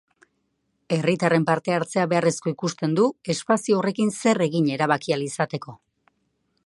Herritarren partehartzea beharrezko ikusten du, espazio horrekin zer egin erabaki ahal izateko.